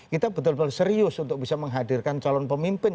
kita betul betul serius untuk bisa menghadirkan calon pemimpin